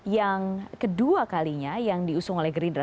yang kedua kalinya yang diusung oleh gerindra